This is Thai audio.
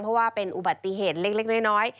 เพราะว่าเป็นอุบัติเหตุเล็กน้อย